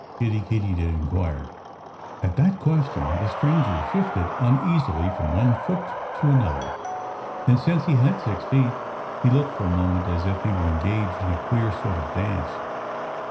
Kiddie Katydid inquired. At that question the stranger shifted uneasily from one foot to another. And since he had six feet, he looked for a moment as if he were engaged in a queer sort of dance.